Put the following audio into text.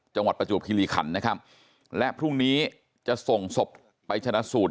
จังหวัดประจุภิภิคัณนะครับและพรุ่งนี้จะส่งศพไปชนะสูตร